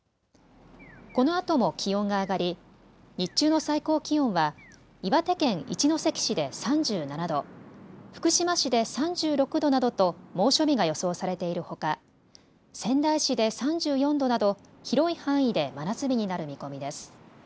このあとも気温が上がり、日中の最高気温は岩手県一関市で３７度、福島市で３６度などと猛暑日が予想されているほか仙台市で３４度など広い範囲で真夏日になる見込みです。